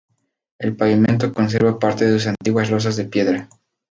El pavimento conserva parte de sus antiguas losas de piedra.